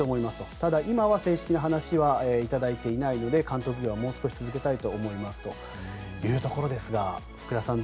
ただ、今は正式な話は頂いていないので監督業はもう少し続けたいと思いますというところですが福田さんは。